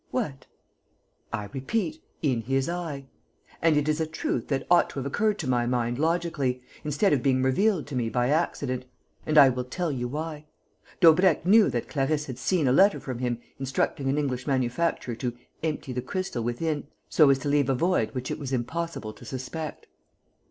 "What?" "I repeat, in his eye. And it is a truth that ought to have occurred to my mind logically, instead of being revealed to me by accident. And I will tell you why. Daubrecq knew that Clarisse had seen a letter from him instructing an English manufacturer to 'empty the crystal within, so as to leave a void which it was unpossible to suspect.